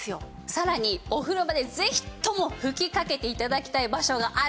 さらにお風呂場でぜひとも吹きかけて頂きたい場所があるんです。